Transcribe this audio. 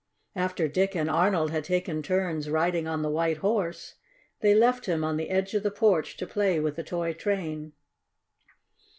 After Dick and Arnold had taken turns riding on the White Horse, they left him on the edge of the porch to play with the toy train.